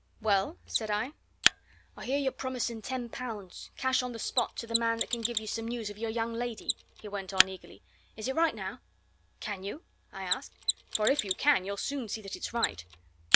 "Well?" said I. "I hear you're promising ten pounds cash on the spot to the man that can give you some news of your young lady?" he went on eagerly. "Is it right, now?" "Can you?" I asked. "For if you can, you'll soon see that it's right."